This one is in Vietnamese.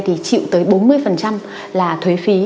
thì chịu tới bốn mươi là thuế phí